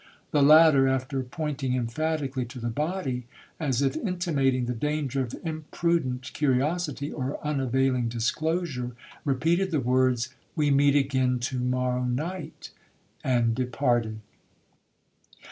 The latter, after pointing emphatically to the body, as if intimating the danger of imprudent curiosity, or unavailing disclosure, repeated the words, 'We meet again to morrow night!' and departed.